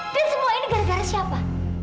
dan semua ini gara gara siapa